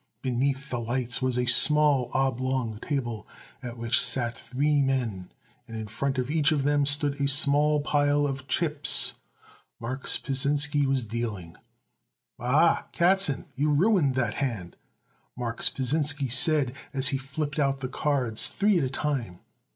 Beneath the lights was a small, oblong table at which sat three men, and in front of each of them stood a small pile of chips. Marks Pasinsky was dealing. "A ah, Katzen, you ruined that hand," Marks Pasinsky said as he flipped out the cards three at a time.